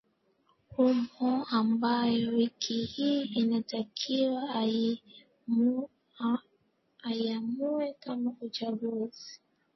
humo ambayo wiki hii inatakiwa iamuwe kama uchaguzi